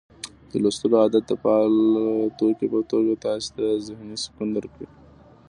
د لوستلو عادت د فعال توکي په توګه تاسي ته ذهني سکون درکړي